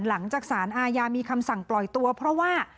หลังจากสารอาญามีคำสั่งปล่อยตัวเพราะว่า